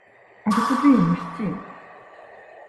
Але куды ім ісці?